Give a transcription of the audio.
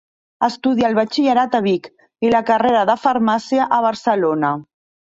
Estudià el batxillerat a Vic i la carrera de farmàcia a Barcelona.